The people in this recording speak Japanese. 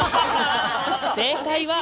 正解は。